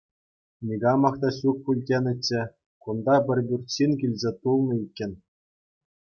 Никамах та ҫук пуль тенӗччӗ — кунта пӗр пӳрт ҫын килсе тулнӑ иккен!